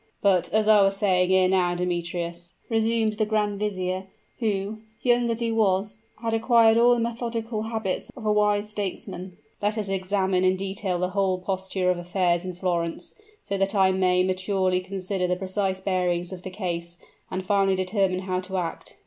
"But, as I was saying ere now, Demetrius," resumed the grand vizier, who, young as he was, had acquired all the methodical habits of a wise statesman, "let us examine in detail the whole posture of affairs in Florence, so that I may maturely consider the precise bearings of the case, and finally determine how to act.